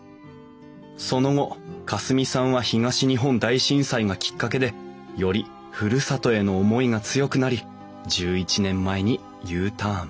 その後夏澄さんは東日本大震災がきっかけでよりふるさとへの思いが強くなり１１年前にＵターン。